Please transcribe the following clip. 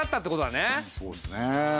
そうですね。